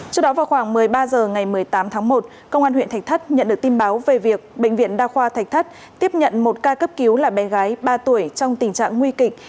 trước đó vào khoảng một mươi ba h ngày một mươi tám tháng một công an huyện thạch thất nhận được tin báo về việc bệnh viện đa khoa thạch thất tiếp nhận một ca cấp cứu là bé gái ba tuổi trong tình trạng nguy kịch